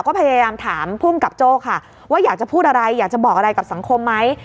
ก็พยายามถามภูมิกับโจ้ค่ะว่าอยากจะพูดอะไรอยากจะบอกอะไรกับสังคมไหม